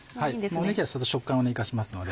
ねぎは食感を生かしますので。